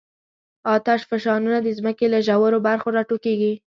آتشفشانونه د ځمکې له ژورو برخو راټوکېږي.